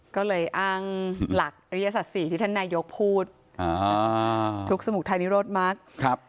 ก็เลยอ้างหลักอริยสัตว์สี่ที่ท่านนายกพูดอ่าทุกข์สมุทรไทยนี้โลศมากครับ